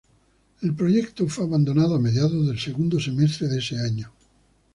El proyecto fue abandonado a mediados del segundo semestre de ese año.